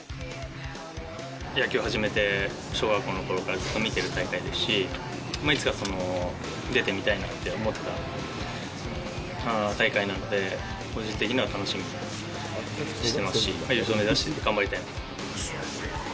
野球を始めて小学校のころからずっと見てる大会ですし、いつか出てみたいなと思ってた大会なので、個人的には楽しみにしてますし、優勝目指して頑張りたい。